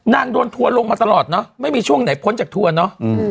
โดนทัวร์ลงมาตลอดเนอะไม่มีช่วงไหนพ้นจากทัวร์เนอะ